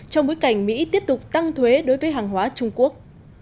trong bối cảnh mỹ tiếp tục tăng thuế đối với hàng hóa trung quốc